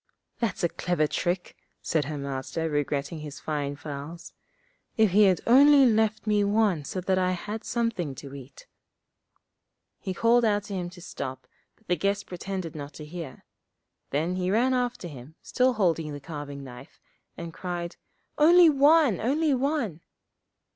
'That's a clever trick!' said her Master, regretting his fine fowls. 'If he had only left me one so that I had something to eat.' He called out to him to stop, but the guest pretended not to hear. Then he ran after him, still holding the carving knife, and cried, 'Only one, only one!'